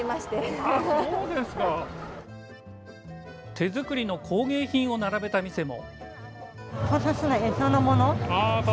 手作りの工芸品を並べた店も。